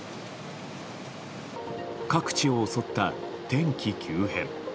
各地を襲った天気急変。